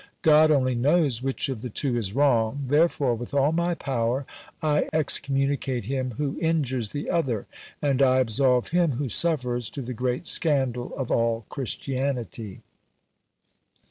God only knows which of the two is wrong. Therefore with all my power I excommunicate him who injures the other; and I absolve him who suffers, to the great scandal of all Christianity."